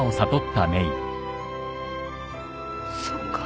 そっか。